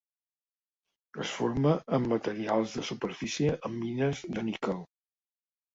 Es forma en materials de superfície en mines de níquel.